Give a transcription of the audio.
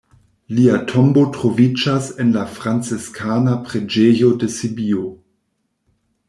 Lia tombo troviĝas en la Franciskana preĝejo de Sibiu.